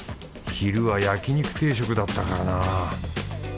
昼は焼肉定食だったからな。